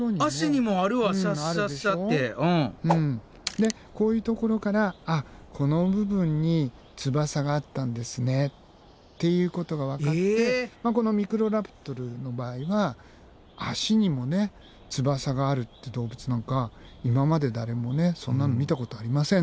でこういうところからあっこの部分に翼があったんですねっていうことがわかってこのミクロラプトルの場合は足にも翼があるって動物なんか今まで誰もそんなの見たことありません。